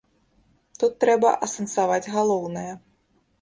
Тут трэба асэнсаваць галоўнае.